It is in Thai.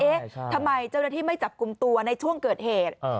เอ๊ะทำไมเจ้าหน้าที่ไม่จับกลุ่มตัวในช่วงเกิดเหตุ